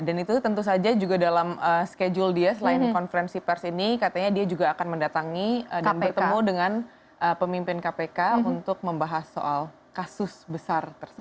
dan itu tentu saja juga dalam schedule dia selain konferensi pers ini katanya dia juga akan mendatangi dan bertemu dengan pemimpin kpk untuk membahas soal kasus besar tersebut